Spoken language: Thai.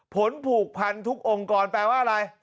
ผลผูกพันทุกองค์กรแปลว่าอะไร